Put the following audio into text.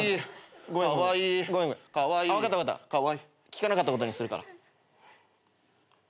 聞かなかったことにするから。